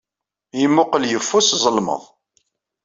Yemmuqqel yeffus, zelmeḍ.